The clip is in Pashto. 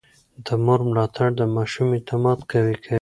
د مور ملاتړ د ماشوم اعتماد قوي کوي.